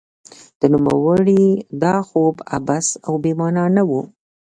د نوموړي دا خوب عبث او بې مانا نه و.